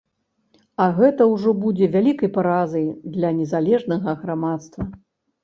А гэта ўжо будзе вялікай паразай для незалежнага грамадства.